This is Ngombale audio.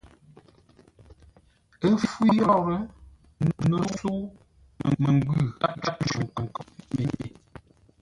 Ə́ fû yə́rə́, no sə̌u məngwʉ̂ gháp cwímənkoʼ me.